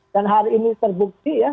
dan hari ini terbukti ya